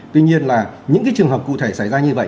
tuy nhiên là những trường hợp cụ thể xảy ra như vậy